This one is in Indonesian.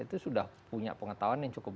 itu sudah punya pengetahuan yang cukup